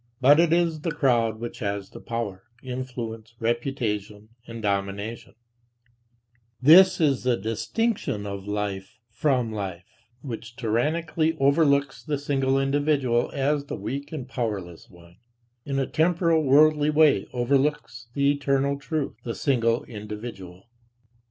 But it is the crowd which has power, influence, reputation, and domination this is the distinction of life from life, which tyrannically overlooks the single individual as the weak and powerless one, in a temporal worldly way overlooks the eternal truth: the single individual.